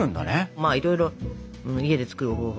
まあいろいろ家で作る方法が。